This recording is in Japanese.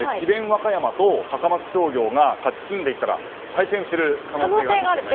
和歌山と高松商業が勝ち進んでいったら対戦する可能性がありますよね。